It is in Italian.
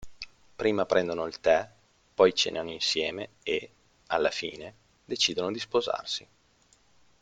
Prima prendono il tè, poi cenano insieme e, alla fine, decidono di sposarsi.